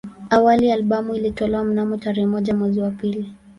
Awali albamu ilitolewa mnamo tarehe moja mwezi wa pili